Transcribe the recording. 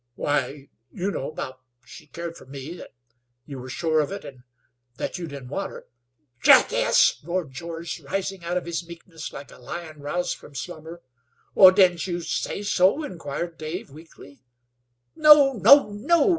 "Why, you know about she cared for me that you were sure of it, and that you didn't want her " "Jackass!" roared George, rising out of his meekness like a lion roused from slumber. "Didn't you say so?" inquired Dave, weakly. "No! No! No!